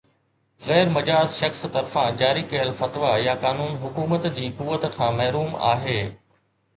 غير مجاز شخص طرفان جاري ڪيل فتويٰ يا قانون حڪومت جي قوت کان محروم آهي